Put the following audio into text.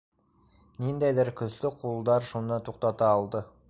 Ниндәйҙер көслө ҡулдар шуны туҡтата алды.